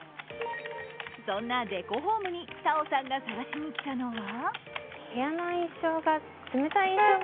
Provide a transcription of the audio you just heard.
そんなデコホームにＴａｏさんが探しに来たのは。